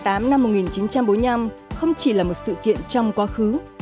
cách mạng tháng tám năm một nghìn chín trăm bốn mươi năm không chỉ là một sự kiện trong quá khứ